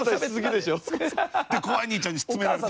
で怖い兄ちゃんに詰められて。